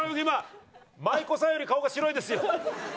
今舞妓さんより顔が白いですよ。